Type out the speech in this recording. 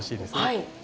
はい。